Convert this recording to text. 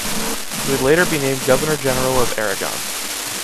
He would later be named Governor General of Aragon.